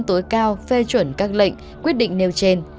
tối cao phê chuẩn các lệnh quyết định nêu trên